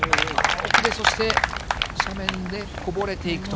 そして斜面でこぼれていくと。